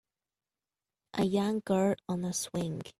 A young girl on a swing.